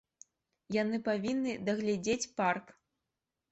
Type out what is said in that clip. Яны павінны дагледзець парк!